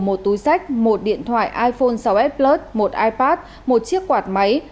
một túi sách một điện thoại iphone sáu s plus một ipad một chiếc quạt máy